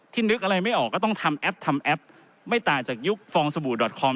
ที่นึกอะไรไม่ออกก็ต้องทำแอปไม่ต่างจากยุคฟองสบุดคอม